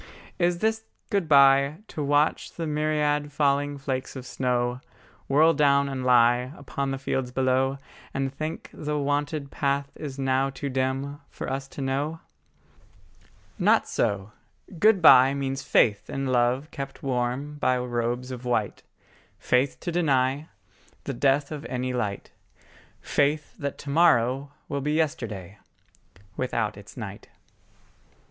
Is this good bye, To watch the myriad falling flakes of snow Whirl down and lie Upon the fields below; And think the wonted path is now too dim For us to know? Not so: good bye Means faith in love kept warm by robes of white, Faith to deny The death of any light, Faith that to morrow will be yesterday Without its night.